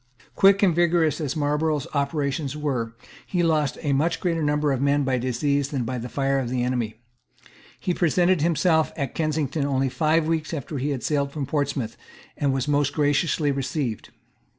Quick and vigorous as Marlborough's operations were, he lost a much greater number of men by disease than by the fire of the enemy. He presented himself at Kensington only five weeks after he had sailed from Portsmouth, and was most graciously received.